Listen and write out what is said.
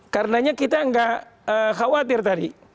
karenanya kita nggak khawatir tadi